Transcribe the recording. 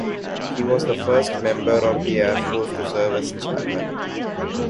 He was the first member of the Air Force to serve as Chairman.